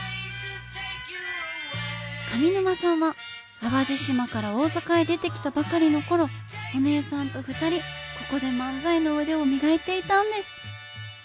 上沼さんは淡路島から大阪へ出てきたばかりの頃お姉さんと２人ここで漫才の腕を磨いていたんです